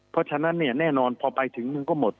เพราะฉะนั้นเนี่ยแน่นอนพอไปถึงมันก็หมด